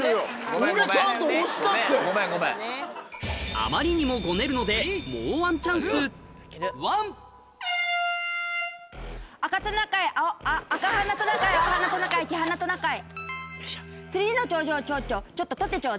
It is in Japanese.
あまりにもゴネるのでもうワンチャンス赤トナカイ。